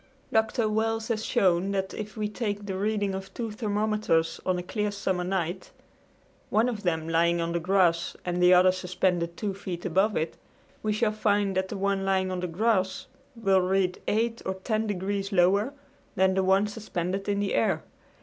Dr. Wells has shown that if we take the reading of two thermometers on a clear summer night, one of them lying on the grass and the other suspended two feet above it, we shall find that the one lying on the grass will read 8 or 10 degrees lower than the one suspended in the air.